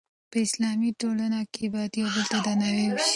په اسلامي ټولنه کې باید یو بل ته درناوی وشي.